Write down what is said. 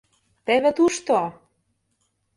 — Теве тушто!